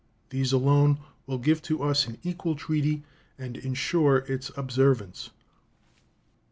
These alone will give to us an equal treaty and insure its observance.